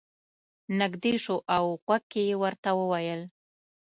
نږدې شو او غوږ کې یې ورته وویل.